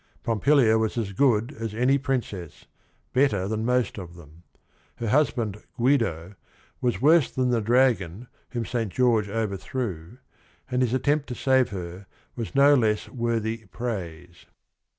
Pompilia was as good as any princess, better than most of them. Her husband, Guido, was worse than the dragon whom Saint George overthrew, and his attempt to save her was no less worthy praise.